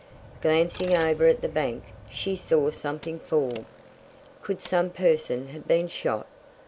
Glancing over at the bank she saw something fall. Could some person have been shot?